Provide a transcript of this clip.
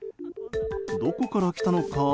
どこから来たのか？